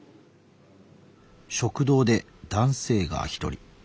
食堂で男性が１人。